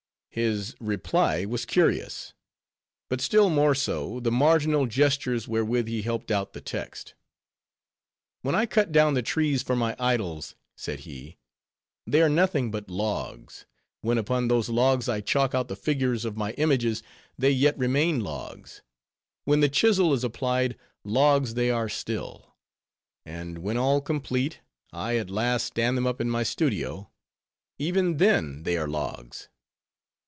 His reply was curious. But still more so, the marginal gestures wherewith he helped out the text. "When I cut down the trees for my idols," said he, "they are nothing but logs; when upon those logs, I chalk out the figures of, my images, they yet remain logs; when the chisel is applied, logs they are still; and when all complete, I at last stand them up in my studio, even then they are logs.